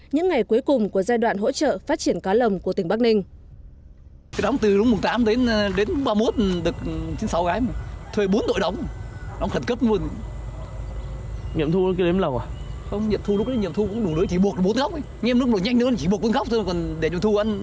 những ngày cuối cùng của giai đoạn hỗ trợ phát triển cá lồng của tỉnh bắc ninh